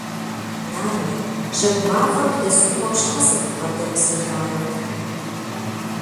Нанэ, жьэгу мафӀэр бдэсхъумэу щхьэ сыббгъэдэмысыжарэт?!